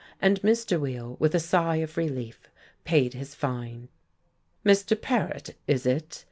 And Mr. Weill, with a sigh of relief, paid his fine. "Mr. Paret, is it?"